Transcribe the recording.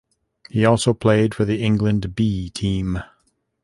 He also played for the England 'B' team.